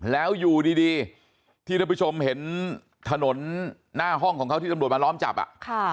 แล้วอยู่ดีที่ท่านผู้ชมเห็นถนนหน้าห้องของเขาที่ตำรวจมาล้อมจับอ่ะ